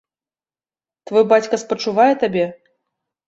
Твой бацька спачувае табе?